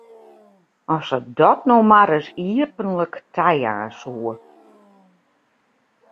As se dat no mar ris iepentlik tajaan soe!